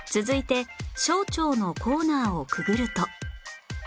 続いて小腸のコーナーをくぐると